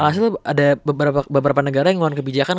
alhasil ada beberapa negara yang ngomong kebijakan